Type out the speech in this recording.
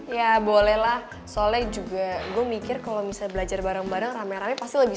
ya bolehlah soalnya juga gue mikir kalau misalnya belajar bareng bareng rame rame pasti lebih